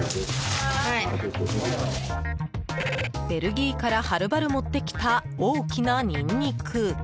ベルギーからはるばる持ってきた大きなニンニク。